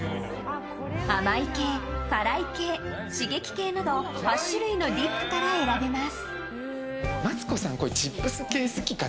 甘い系、辛い系、刺激系など８種類のディップから選べます。